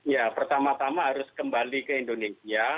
ya pertama tama harus kembali ke indonesia